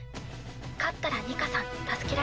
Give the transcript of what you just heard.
勝ったらニカさん助けられる。